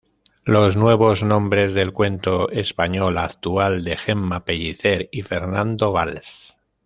Los nuevos nombres del cuento español actual", de Gemma Pellicer y Fernando Valls.